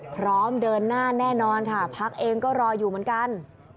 พร้อมเดินหน้าแน่นอนค่ะพักเองก็รออยู่เหมือนกัน